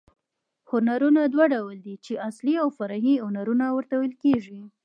هنرونه دوه ډول دي، چي اصلي او فرعي هنرونه ورته ویل کېږي.